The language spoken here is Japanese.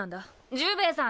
獣兵衛さん